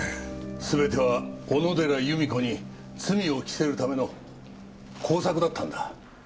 全ては小野寺由美子に罪を着せるための工作だったんだ。